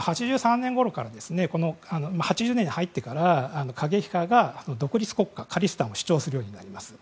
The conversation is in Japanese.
ただ、８０年に入ってから過激派が独立国家、カリスタンを主張するようになります。